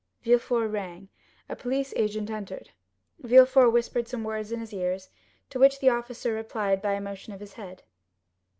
Villefort rang. A police agent entered. Villefort whispered some words in his ear, to which the officer replied by a motion of his head.